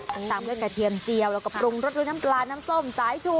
ตามด้วยกระเทียมเจียวแล้วก็ปรุงรสด้วยน้ำปลาน้ำส้มสายชู